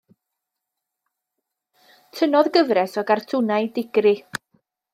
Tynnodd gyfres o gartwnau digri.